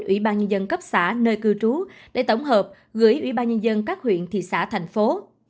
ủy ban nhân dân cấp xã nơi cư trú để tổng hợp gửi ủy ban nhân dân các huyện thị xã thành phố